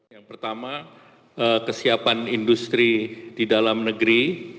yang pertama kesiapan industri di dalam negeri